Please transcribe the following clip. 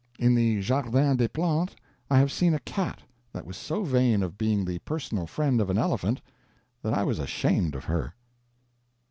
In the Jardin des Plantes I have see a cat that was so vain of being the personal friend of an elephant that I was ashamed of her.